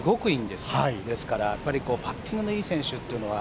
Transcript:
ですからパッティングのいい選手というのは